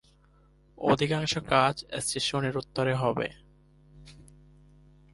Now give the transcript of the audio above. অধিকাংশ কাজ স্টেশনের উত্তরে হবে।